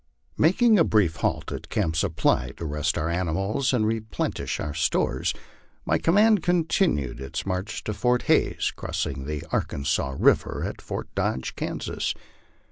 Making a brief halt at Camp Supply to rest our animals and replenish our stores, my command continued its march to Fort Hays, crossing the Arkansas river at Fort Dodge, Kansas.